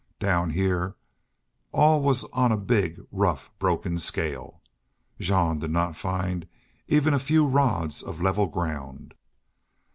Down here all was on a big, rough, broken scale. Jean did not find even a few rods of level ground.